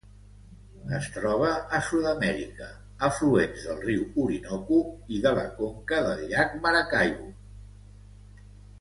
Es troba a Sud-amèrica: afluents del riu Orinoco i de la conca del llac Maracaibo.